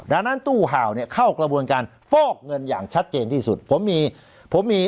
ดังนั้นตู้เห่าเนี่ยเข้ากระบวนการฟอกเงินอย่างชัดเจนที่สุดผมมีผมมี